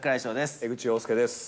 江口洋介です。